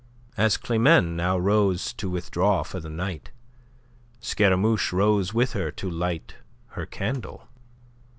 As Climene now rose to withdraw for the night, Scaramouche rose with her to light her candle.